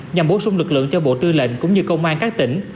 nhằm bổ sung lực lượng cho bộ tư lệnh cũng như công an các tỉnh